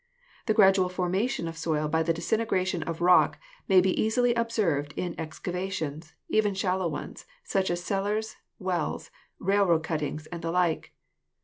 The gradual formation of soil by the disintegration of rock may be easily observed in excava tions, even shallow ones, such as cellars, wells, railroad cuttings, and the like.